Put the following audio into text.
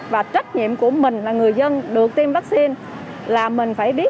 và trách nhiệm của mình là người dân được tiêm vaccine là mình phải biết